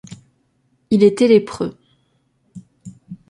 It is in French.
Il était lépreux...